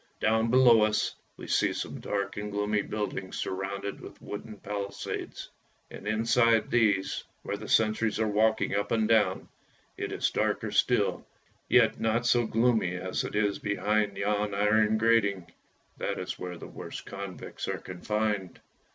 Down below us we see some dark and gloomy buildings, surrounded with wooden palisades, and inside these, where the sentries are walking up and down, it is darker still, yet not so gloomy as it is behind yon iron grating; that is where the worst convicts are confined.